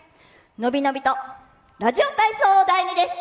伸び伸びと「ラジオ体操第２」です！